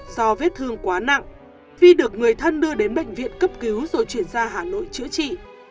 do vết thương quá nặng vi được người thân đưa đến bệnh viện cấp cứu rồi chuyển ra hà nội chữa trị